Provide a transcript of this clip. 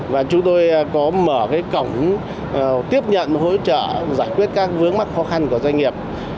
và chúng tôi có mở cái cổng tiếp nhận hỗ trợ giải quyết các vướng mắc khó khăn của doanh nghiệp